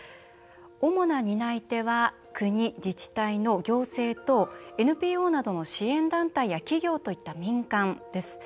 主な担い手は国・自治体の行政とＮＰＯなどの支援団体や企業といった民間です。